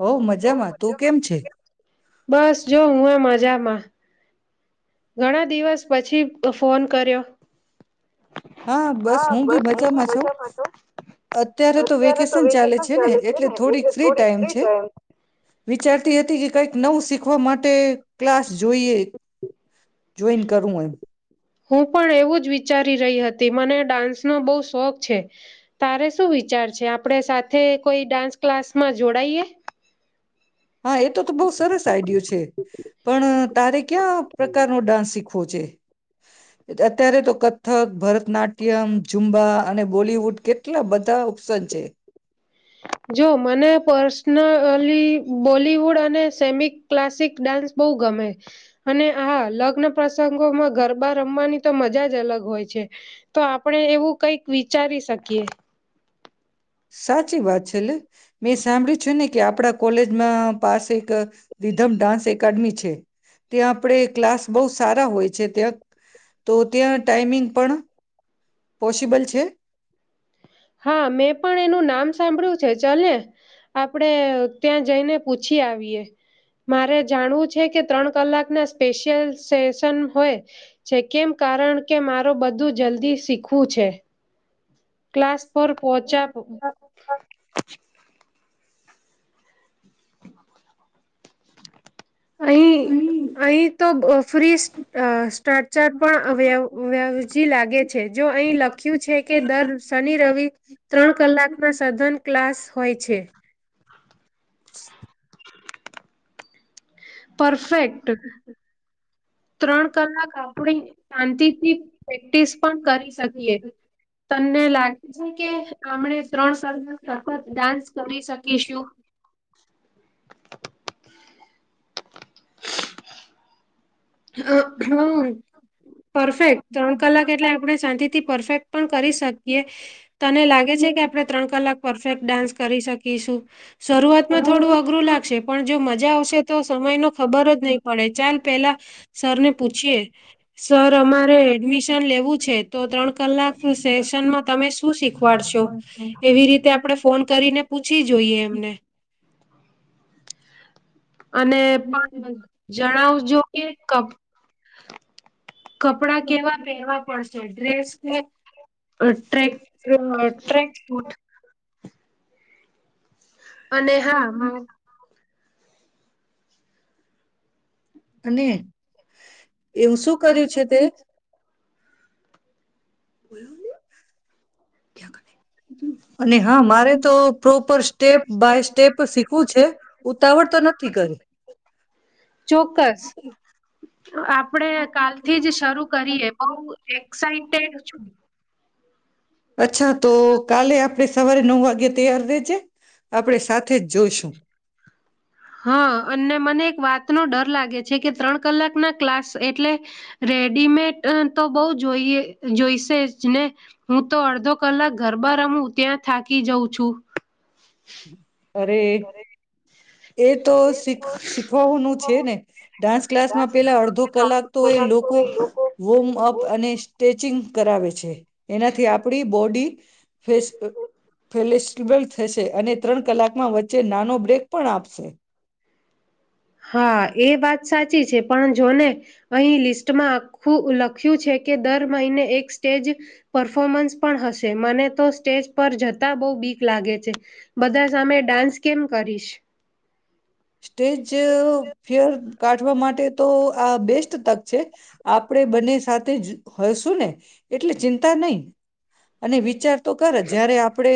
હો મજામાં. તું કેમ છે? બસ જો હું એ મજામાં. ઘણા દિવસ પછી અ ફોન કર્યો. હા બસ હું બી મજામાં છઉ અત્યારે તો વેકેશન ચાલે છે ને એટલે થોડીક ફ્રી ટાઈમ છે વિચારતી હતી કે કઈ. નવું શીખવા માટે. ક્લાસ જોઈએ જોઈન કરું એમ. હું પણ એવું જ વિચારી રહી હતી મને ડાન્સનોો બહુ શોખ છે તારે શું વિચાર છે આપણે સાથે કોઈ ડાન્સ ક્લાસમાં જોડાઈએ. હા એ તો તો બહુ સરસ આઈડિયો છે પણ તારે ક્યાં પ્રકારનો ડાન્સ શીખવો છે. અત્યારે તો કથક ભરતનાટ્યમ ઝુંમબા અને બોલવુડ કેટલા બધા ઓપ્શન છે. જો મને પર્સનલી બોલીવુડ અને સેમી ક્લાસિક ડાન્સ બહુ ગમે અને આ લગ્ન પ્રસંગોમાં ગરબા રમવાની તો મજા જ અલગ હોય છે તો આપણે એવું કઈક વિચારી શકીએ. સાચી વાત છે લે મેં સાંભળ્યું છે ને કે આપડા કોલેજમાં પાસે એક વિધમ ડાન્સ એકેડમી છે ત્યાં આપણે ક્લાસ બહુ સારા હોય છે ત્યાં તો ત્યાં ટાઈમિંગ પણ. પોસિબલ છે. હા મેં પણ એનું નામ સાંભળ્યું છે ચલે ને આપણે ત્યાં જઈને પૂછી આવીએ મારે જાણવું છે કે ત્રણ કલાકના સ્પેશિયલ સેશન હોય છે કેમ કારણ કે માર બધું જલ્દી શીખવું છે. ક્લાસ ફોર પહોચ્યા. અહીં હ અહીં. તો ફ્રી. અ. [unintelligible] પણ અ વ્યવજી લાગે છે જો અહીં લખ્યું છે કે દર શનિ રવિ ત્રણ કલાકના સધન ક્લાસ હોય છે. પરફેક્ટ. ત્રણ સમ આપણી શાંતિથી પ્રેક્ટિસ પણ કરી શકીએ તમને લાગે છે કે આપણે ત્રણ સ સખત ડાન્સ કરી શકી છું. અ હમ પરફેક્ટ ત્રણ કલાક એટલે આપણે શાંતિથી પરફેક્ટ પણ કરી શકીએ તને લાગે છે કે આપણે ત્રણ કલાક પરફેક્ટ ડાન્સ કરી શકીશું શરૂઆતમાં થોડું અઘરું લાગશે. પણ જો મજા આવશે તો સમય ન ખબર જ નહી પડે ચાલ પેલા. સર ને પૂછીએ સર અમારે એડમિશન. લેવું છે. તો ત્રણ કલાક સેશનમાં તમે શું શીખવાડશો એવી રીતે આપડણે ફોન કરીને પૂછી. જોઈએ એમને. અને જણાવ્યું કે ક. કપડા કેવા પહેરવા પડશે ડ્રેસ કેસ. અને હા હ. અને એવું શું કર્યું છે તે. અને હા મારે તો પ્રોપર સ્ટેપ બાય સ્ટેપ શીખવું છે ઉતાવળ તો નથી કરે ચોક્કસ આપડે કાલથી જ શરૂ કરીએ બઉ એક્સઇટેડ છું અચ્છા તો કાલે આપડે સવારે નવ વાગે તૈયાર રેજે આપણે સાથે જ જોઈશું હા અને મને એક વાતનો ડર લાગે છે કે ત્રણ કલાક ના ક્લાસ એટલે રેડીમેટ તો બોઉ જોઈએ જોઈશે જ ને હું તો અડધો કલાક ઘરબા રમું ત્યાં થાકી જાઉં છું અરે એ તો શીખ શીખવાવાનું છે ને ડાન્સ ક્લાસમાં પેલા અડધો કલાક તો એ લોકો વોર્મઅપ અને સ્ટ્રેચિંગ કરાવે છે એનાથી આપડી બોડી ફેસ્ટ ફેલેસ્ટિબલ થશે અને ત્રણ કલાકમાં વચ્ચે નાનો બ્રેક પણ આપશે હા એ વાત સાચી છે પણ જોને અહીં લિસ્ટમાં આખું લખ્યું છે કે દર મહિને એક સ્ટેજ પરફોમન્સ પણ હશે મને તો સ્ટેજ પર જતા બહુ બીક લાગે છે બધા સામે ડાન્સ કેમ કરીશ સ્ટેજ ફેર કાઢવા માટે તો આ બેસ્ટ તક છે આપડે બંને સાથે જ હય શું ને એટલે ચિંતા નહી અને વિચાર તો કરે જયારે આપડે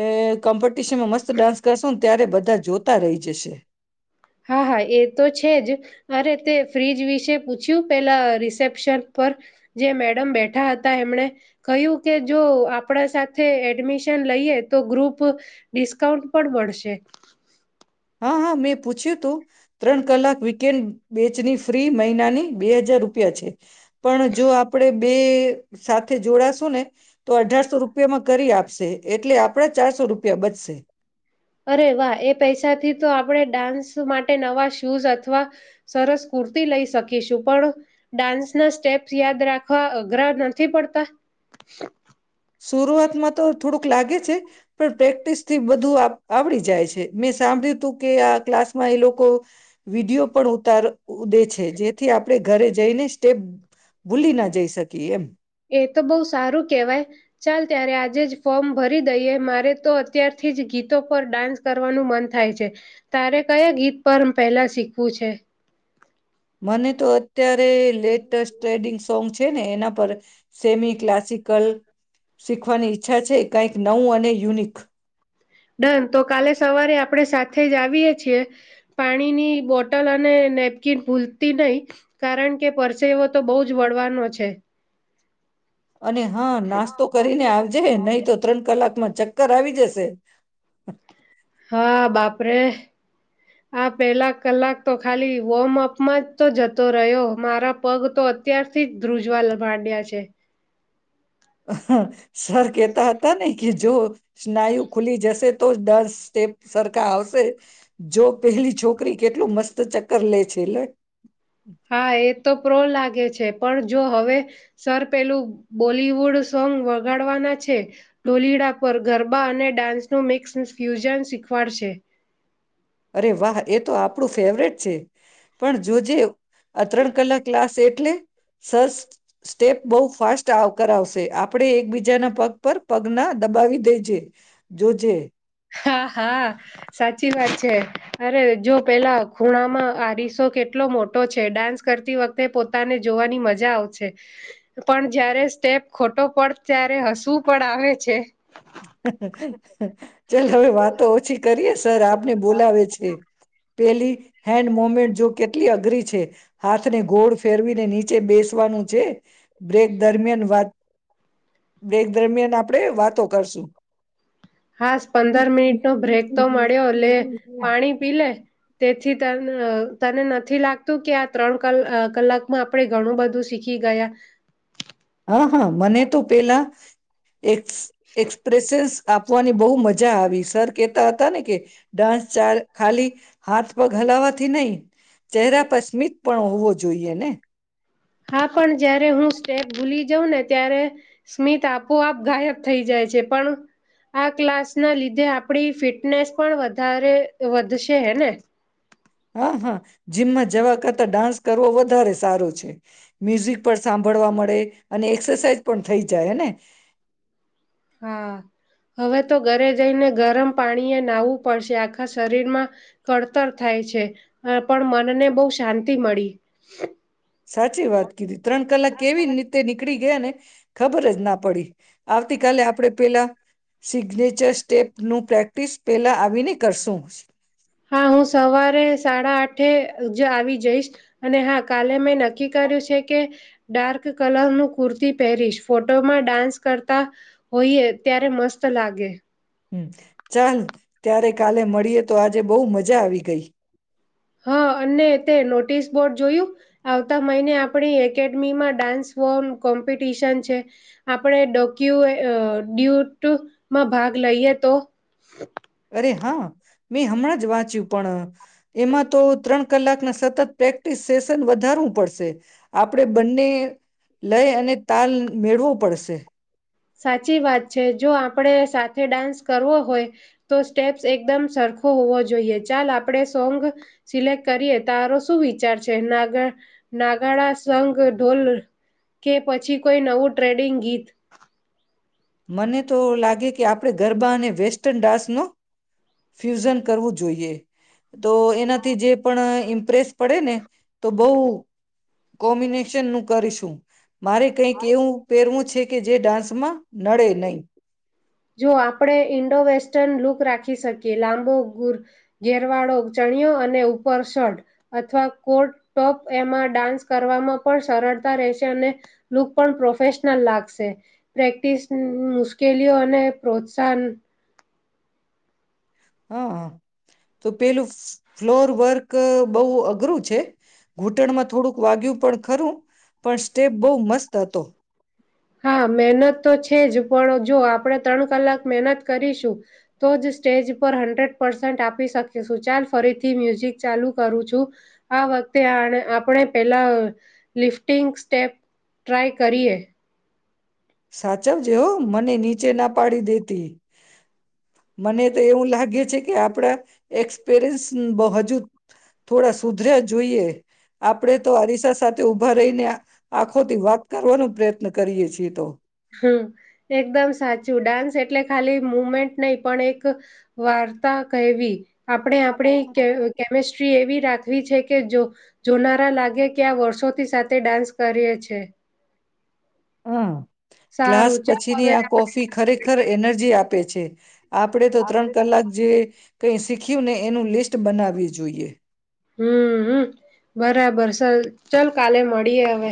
એ કોમ્પિટિશનમાં મસ્ત ડાન્સ કરશો ને ત્યારે બધા જોતા રહી જશે હા હા એ તો છે જ અરે તે ફ્રીજ વિશે પૂછ્યું પેલા રિસેપ્શન પર જે મેડમ બેઠા હતા એમણે કહ્યું કે જો આપણા સાથે એડમિશન લઈએ તો ગ્રુપ ડિસ્કાઉન્ટ પણ મળશે હા હા મેં પૂછ્યું તું ત્રણ કલાક વીકેન્ડ બેચની ફ્રી મહિનાની બે હજાર રૂપિયા છે પણ જો આપણે બે સાથે જોડાશું ને તો અઢારસો રૂપિયામાં કરી આપશે એટલે આપડા ચારસો રૂપ પે અ બચશે અરે વાહ એ પૈસાથી તો આપણે ડાન્સ માટે નવા શૂઝ અથવા સરસ કુર્તી લઈ શકીશું પણ ડાન્સ ના સ્ટેપ્સ યાદ રાખવા અઘરા નથી પડતા શરૂઆતમાં તો થોડુંક લાગે છે પણ પ્રેક્ટિસ થી બધું આવડી જાય છે મેં સાંભળ્યું તું કે આ ક્લાસમાં એ લોકો વિડીયો પણ ઉતાર ઉ દે છે જેથી આપણે ઘરે જઈને સ્ટેપ એ તો બોઉ સારું કેવાય ચાલ ત્યારે આજે જ ફોર્મ ભરી દઈએ મારે તો અત્યારથી જ ગીતો પર ડાન્સ કરવાનું મન થાય છે તારે કયા ગીત પર પહેલા શીખવું છે મને તો અત્યારે લેટેસ્ટ ટ્રેડિંગ્સ સોંગ છે ને એના પર સેમી ક્લાસિકલ શીખવાની ઈચ્છા છે કંઈક નવું અને યુનિક ડન તો કાલે સવારે આપ. આપણે સાથે જ આવીએ છીએ પાણીની બોટલ અને નેપકીિન ભૂલતી નહી કારણ કે પરસે એવો તો બહુ જ વળવાનો છે. અને હા નાસ્તો કરીને આવજે નહીં તો ત્રણ કલાકમાં જ. ચક્કર આવી જશે. હા બાપરે આ પેલા કલાક તો ખાલી વોર્મઅપમાં જ તો જતો રહ્યો મારા પગ તો અત્યારથી જ ધ્રુજવા લભાડ્યા છે. હ સર કેતા હતા હતા ન કે. જો. સ્નાયુ ખુલી જશે. તો દસ સ્ટેપ સરખા આવશે જો. પહેલી છોકરી કેટલું મસ્ત. તો ચક્કર લે છે એ લ. હા એ તો પ્રો લાગે છે પણ જો હવે સર પેલું બોલવુડ સોંગ વગાડવાના છે ડોલડા પર ગરબા અને ડાન્સનું મિક્સ ફ્યુઝન શીખવાડશે. અરે વાહ એ તો આપણું ફેવરેટ છે. પણ જોજે આ ત્રણ કલાક લ્લાસ એટલે. સર સ્ટેપ બહુ ફાસ્ટ આવકારાવશે આપણેે એકબીજાના પગ પર પગ ના દબાવી દેજ. જોજે. હા સાચી વાત છે અરે જો પેલા ખૂણામાં આ રસો કેટલો મોટો છે ડાન્સ કરતી વખતે પોતાને જોવાની મજા આવશે પણ જયારે સ્ટેપ ખોટો પડ ત્યારે હસવું પણ આવે છે. હ. ચાલ હવે વાત ઓછી કરીએ સર આપને બોલાવે છે પેલી હેન્ડ મુમેન્ટ જો કે. કેટલી અઘરી છે હાથને ગોળ ફેરવીને નીચે બેસવાનું છે. બ્રેક દરમિયાન વાત. બેગ દરમિયાન આપડે વાતો. કરશું. હાસ પંદર મિનિટ નો બ્રેક તો મળ્યો લે પાણી પી લે. તેથી ત તને નથી લાગતું કે આ ત્રણ ક કલાકમાં આપણે ઘણું બધું શીખી ગયા. હા હા મને તો પેલા. એ એક્સપ્રેેશન્સ આપવાની બહુ મજા આવી સર. કેતા હતા ને કે ડાન્સ ચ ખાલી હાથ પર હલાવાથી નહી ચહેરા પર સ્મિત પણ હોવો જોઈએ ને. હા પણ. જયારે હું સ્ટેપ ભૂલી જાઉં ને. ત્યારે સ્મિત આપોઆપ ગાયબ થઈ જાય છે પણ આ ક્લાસ ના લીધે આપણી ફિટનેસ પણ વધારે વધશે હેને. હા હા જીમમાં જવા કરતા ડાન્સ કરવો વધારે સારો છે. મ્યુઝિક પર સાંપ. ભડવા મળે અને એક્સરસાઇઝ પણ થઈ જાય. હા હવે તો ઘરે જ. જઈને ગરમ પાણી એ નાહવું પડશે આ. આખા શરીર માં કડતર થાય છે પણ મનને બહુ શાંતિ મળી. સાચી વાત કીધી ત્રણ કલાક કેવી રીતે નીકળી ગ. ખબર જ ના પડી આવતી કલે આપણે પેલા સિગ્નેચર સ્ટેપ નું પ્રેક્ટિસ પેલા આવીને કરશું. હા હું સવારે સાડા આઠે જ આવી જઈશ અને હા કાલે મેં નક્કી કર્યું છે કે ડાર્ક કલર નું કુર્તી પહેરીશ ફોટોમાં ડાન્સ કરતા હોઈએ ત્યારે મસ્ત લાગે. હ ચાલ ત્યારે. કાલે મળીએ તો આજે બહુ મજા આવી ગઈ. હા અને તે નોટિસ બોર્ડ જોયું આવતા મહિને આપણી એકેડમીમાં ડાન્સ ફોર્મ કોમ્પિટિશન છે આપણે ડોક્યુ ડ્યુટમાં ભાગ લઈએ તો. અરે હા મેં હમણાં જ વાંચ્યું પણ એમાં તો ત્રણ કલાકના સતત પ્રેક્ટિસ સેશન વધારવું પડશે આપડે બંને લઈ અને તાલ મેળવુ પડશે. સાચી વાત છે જો આપણે સાથે ડાન્સ કરવો હોય તો સ્ટેપ્સ એકદમ સરખો હોવો જોઈએ ચાલ આપણે સોંગ સિલેક્ટ કરીએ તારો શું વિચાર છે નાગ નાગાળ સંગ ઢોલ કે પછી કોઈ નવું ટ્રેડિંગ ગીત. મને તો લાગે કે આપણે ગરબા અને વેસ્ટર્ન ડાન્સનો ફ્યુઝન કરવું જોઈએ. તો એનાથી જે પણ ઇમ્પ્રેસ પડે ને તો બઉ કોમ્બિનેશન નું કરીશ. શું. મારે કઈક એવું પહેરવું છે. કે જે ડાન્સમાં નડે નહી. જો આપણે ઈન્ડો વેસ્ટર્ન લુક રાખી શકીએ લાંબોુર ઘેરવાળો ચણયો અને ઉપર શર્ટ અથવા કોટ ટોપ એમાં ડાન્સ કરવામાં પણ સરળતા રહેશે અને લુક પણ પ્રોફેશનલ લાગશે પ્રેક્ટિસ મુશ્કેલીઓ અને પ્રોત્સાહન હા તો પેલું ફ્લોર વર્ક બહ અઘરું છે. ઘૂંટણમાં થોડુંક વાગય્યું. ખરું પણ સ્ટેપ બહુ મસ્ત હતો. હ. હા મહેનત તો છે જ પણ જો આપણે ત્રણ કલાક મહેનત કરીશું તો જ સ્ટેજ પર હન્ડ્રેડ પર્સેન્ટ આપી શકીશું ચાલ ફરીથી મ્યુઝિક ચાલુ કરું છું આ વખતે આપણે પેલા લિફ્ટિંગ સ્ટેપ ટ્રાય કરીએ. સાચવ જે હો મને નીચે ના પાડી દેતી. મને તો એવું લાગે છે કે આપડા એસપરયસ હજુ થોડા સુધરા જોઈએ આપડે તો અરીસા સાથે ઉભા રહીને આખોથી વાત કરવાનો પ્રયત્ન. ન કરીએ છીએ તો. હમ એકદમ સાચું ડાન્સ એટલે ખાલી મુમેન્ટ નહી પણ એક વાર્તા કહેવી. આપણે આપણી કે કેમેસ્ટ્રી એવી રાખવી છે કે જોનારા લાગે કે આ વર્ષોથી સાથે ડાન્સ કરે છે. હા. ગ્લાસ પછીની આ કોફી ખરેખર એનર્જી આપ પે છેે. આપણે તો ત્રણ કલાક જે કઈ શીખ્યું ને એનું લિસ્ટ બનાવી જોઈએ. હમ હમ બરાબર ચાલ કાલે મળીએ હવે.